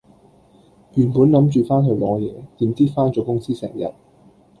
原本諗住返去攞嘢，點知返咗公司成日